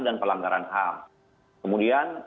dan pelanggaran ham kemudian